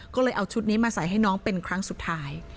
ก็เลยเอาชุดนี้มาใส่ให้น้องเป็นครั้งสุดท้าย